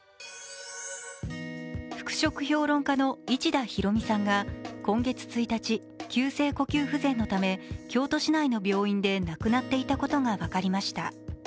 服飾評論家の市田ひろみさんが今月１日、急性呼吸不全のため、京都市内の病院で亡くなっていたことが分かりました。